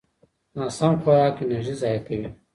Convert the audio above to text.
ناسم خوراک انرژي ضایع کوي.